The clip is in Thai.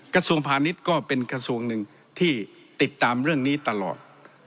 กระทรวงพาณิชย์ก็เป็นกระทรวงหนึ่งที่ติดตามเรื่องนี้ตลอด